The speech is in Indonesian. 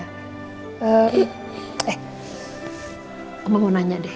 eh mama mau nanya deh